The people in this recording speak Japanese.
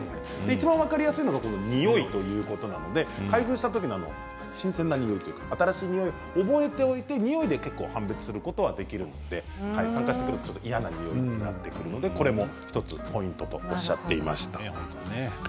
いちばん分かりやすいのがにおいということなので開封した時の新鮮なにおい新しいにおいを覚えておいてにおいで判別することができるので酸化してくると嫌なにおいになってくるのでこれも１つポイントとおっしゃっていました。